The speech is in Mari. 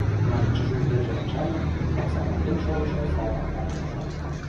Нан Чжу йырже ончале, омса воктен шогышо салтак-влакым ужо.